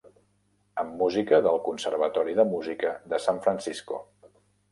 amb música del Conservatori de Música de San Francisco.